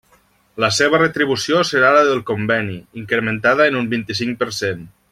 La seva retribució serà la del conveni, incrementada en un vint-i-cinc per cent.